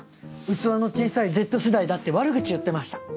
器の小さいＺ世代だって悪口言ってました。